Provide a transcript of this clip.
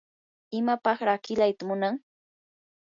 ¿imapaqraa qilayta munan?